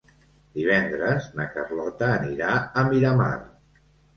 Divendres na Carlota anirà a Miramar.